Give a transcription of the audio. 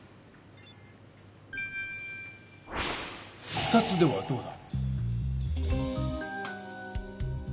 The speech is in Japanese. ２つではどうだ？